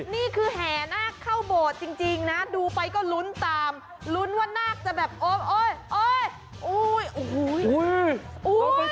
นี่คือแห่นาคเข้าโบสถ์จริงนะดูไปก็ลุ้นตามลุ้นว่านาคจะแบบโอ๊ยโอ้โห